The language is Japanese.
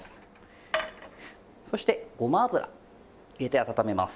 そしてごま油入れて温めます。